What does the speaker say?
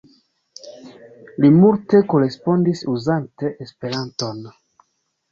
Li multe korespondis uzante Esperanton.